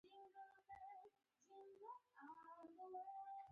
ګاونډي ته سلام کول ښېګڼه ده